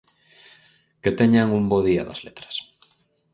Que teñan un bo día das Letras.